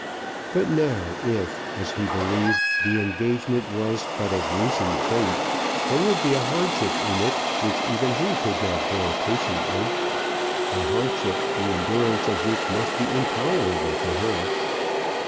But now if, as he believed, the engagement was but of recent date, there would be a hardship in it, which even he could not bear patiently, a hardship, the endurance of which must be intolerable to her.